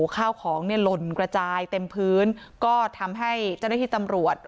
ข้าวของเนี่ยหล่นกระจายเต็มพื้นก็ทำให้เจ้าหน้าที่ตำรวจ